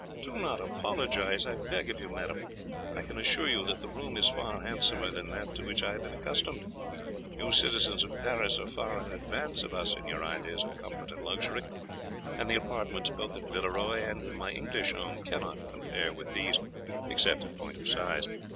"Do not apologize, I beg of you, madam. I can assure you that the room is far handsomer than that to which I have been accustomed. You citizens of Paris are far in advance of us in your ideas of comfort and luxury, and the apartments both at Villeroy and in my English home cannot compare with these, except in point of size.